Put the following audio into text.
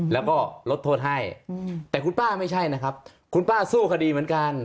แล้วก็ลดโทษให้แต่คุณป้าไม่ใช่นะครับคุณป้าสู้คดีเหมือนกัน